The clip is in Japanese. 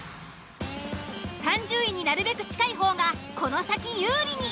３０位になるべく近い方がこの先有利に。